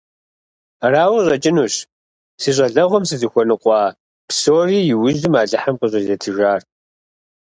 Арауэ къыщӀэкӀынущ си щӀалэгъуэм сызыхуэныкъуа псори иужьым Алыхьым къыщӀызитыжар.